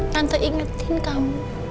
tante ingetin kamu